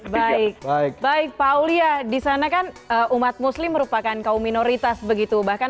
baik baik pak aulia di sana kan umat muslim merupakan kaum minoritas begitu bahkan